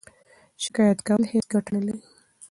شکایت کول هیڅ ګټه نلري.